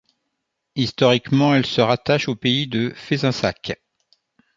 Historiquement, elle se rattache au pays de Fezensac.